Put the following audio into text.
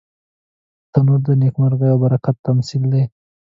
تنور د نیکمرغۍ او برکت تمثیل دی